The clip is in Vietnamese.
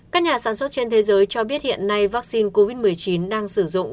các nhà sản xuất trên thế giới cho biết hiện nay vaccine covid một mươi chín đang sử dụng